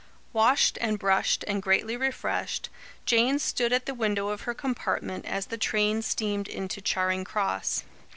Washed and brushed and greatly refreshed, Jane stood at the window of her compartment as the train steamed into Charing Cross.